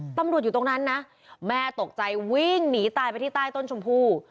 อยู่ตรงนั้นนะแม่ตกใจวิ่งหนีตายไปที่ใต้ต้นชมพู่